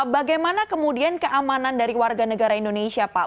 bagaimana kemudian keamanan dari warga negara indonesia pak